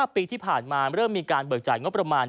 ปีที่ผ่านมาเริ่มมีการเบิกจ่ายงบประมาณ